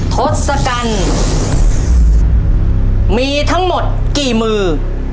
ทศกัณฐ์มีทั้งหมดกี่มือ